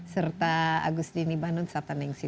serta agus dini banun sataningsi